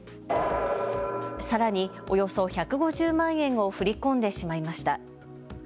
さらにおよそ１５０万円を振り込んでしまいました。